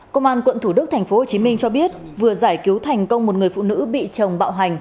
công an quận thủ đức tp hcm cho biết vừa giải cứu thành công một người phụ nữ bị chồng bạo hành